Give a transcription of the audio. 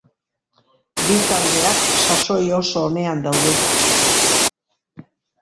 Bi taldeak sasoi oso onean daude.